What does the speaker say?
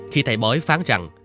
khi thầy bói phán rằng